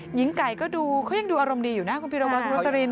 หญิงไก่ก็ดูอารมณ์ดีอยู่นะคุณพิราบริวสาริน